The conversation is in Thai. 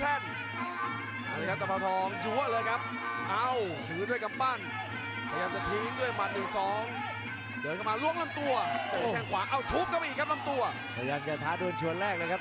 อันนี้ครับตะพาวทองจุ๊ะเลยครับ